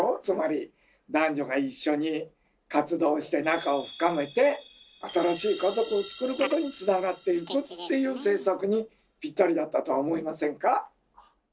つまり男女が一緒に活動して仲を深めて新しい家族をつくることにつながっていくっていう政策にぴったりだったとは思いませんか？